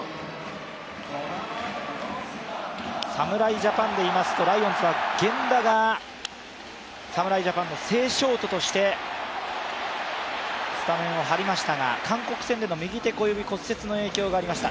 侍ジャパンでいいますと、ライオンズは源田が侍ジャパンの正ショートとしてスタメンを張りましたが韓国戦で右手小指骨折の影響がありました。